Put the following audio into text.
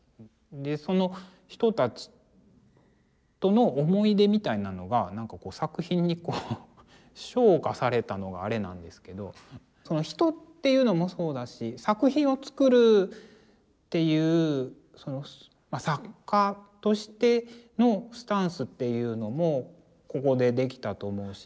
でその人たちとの思い出みたいなのがなんか作品にこう昇華されたのがあれなんですけど人っていうのもそうだし作品を作るっていう作家としてのスタンスっていうのもここでできたと思うし。